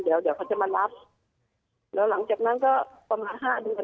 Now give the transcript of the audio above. เดี๋ยวเดี๋ยวเขาจะมารับแล้วหลังจากนั้นก็ประมาณห้าเดือน